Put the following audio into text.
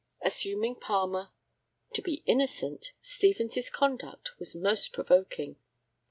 Assuming Palmer to be innocent, Stevens' conduct was most provoking.